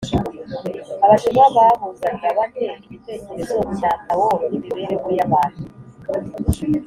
abashinwa bahuzaga bate igitekerezo cya tao n’imibereho y’abantu?